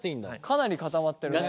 かなり固まってるね。